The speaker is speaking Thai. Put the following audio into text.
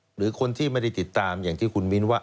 หรือคนที่ไม่ได้ติดตามอย่างที่คุณมิ้นว่า